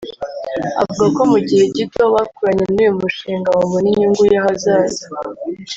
avuga ko mu gihe gito bakoranye n’uyu mushinga babona inyungu y’ahazaza